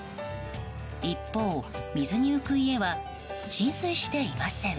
一方、水に浮く家は浸水していません。